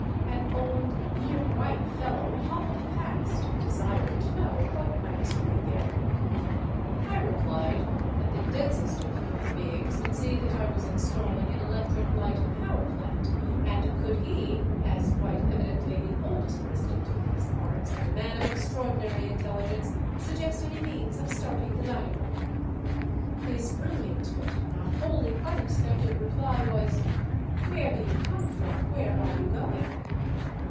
An old, near white fellow hobbled past and desired to know what I was doing there. I replied that the densest of human beings could see that I was installing an electric light and power plant, and could he, as quite evidently the oldest resident of these parts and a man of extraordinary intelligence, suggest any means of starting the dynamo. His brilliant, but not wholly unexpected reply was, " Where do you come from where are you going?